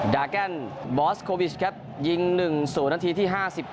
ดาแกนบอสโควิชครับยิง๑๐นาทีที่๕๑